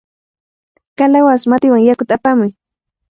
¡Kalawasa matiwan yakuta apamuy!